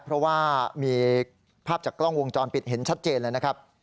เพราะว่ามีภาพจากกล้องวงจรปิดเห็นชัดเจนเลยนะครับ